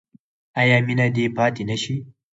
آیا مینه دې پاتې نشي؟